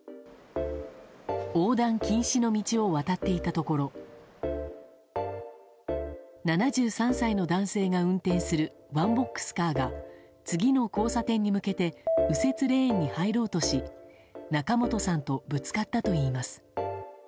横断禁止の道を渡っていたところ７３歳の男性が運転するワンボックスカーが次の交差点に向けて右折レーンに入ろうとし仲本さんとぶつかったといいます。